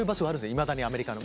いまだにアメリカの。